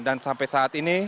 dan sampai saat ini